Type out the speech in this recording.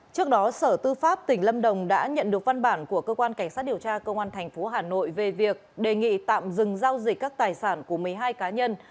trước đó sở tư pháp tỉnh lâm đồng đã nhận được văn bản của cơ quan cảnh sát điều tra công an tp hà nội về việc đề nghị tạm dừng giao dịch các tài sản của một mươi hai cá nhân